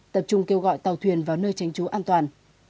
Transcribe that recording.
tập trung kêu gọi tàu thuyền vào nơi tranh chú an toàn